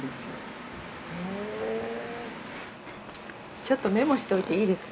ちょっとメモしといていいですか？